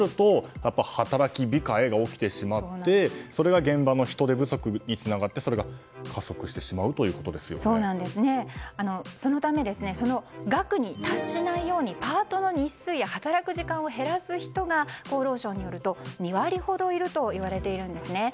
働き控えが起きてしまってそれが現場の人手不足につながってそれが加速してしまうそのため、額に達しないようにパートの日数や働く時間を減らす人が厚労省によると２割ほどいるといわれているんですね。